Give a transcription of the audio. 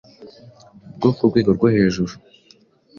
bwo ku rwego rwo hejuru,